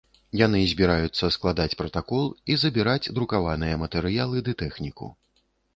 Яны збіраюцца складаць пратакол і забіраць друкаваныя матэрыялы ды тэхніку.